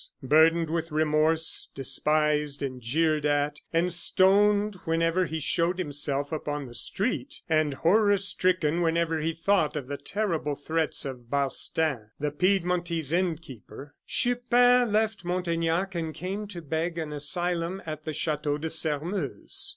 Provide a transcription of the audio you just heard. Burdened with remorse, despised and jeered at, and stoned whenever he showed himself upon the street, and horror stricken whenever he thought of the terrible threats of Balstain, the Piedmontese innkeeper, Chupin left Montaignac and came to beg an asylum at the Chateau de Sairmeuse.